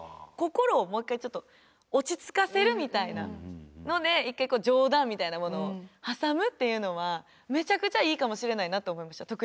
心をもう一回ちょっと落ち着かせるみたいなので一回冗談みたいなものを挟むっていうのはめちゃくちゃいいかもしれないなと思いました。